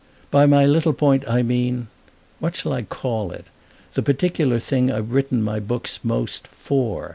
"By my little point I mean—what shall I call it?—the particular thing I've written my books most for.